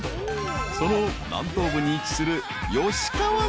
［その南東部に位置する］